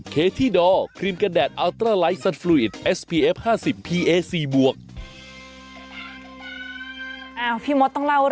พี่มดต้องเล่าเรื่องนี้แล้วล่ะค่ะ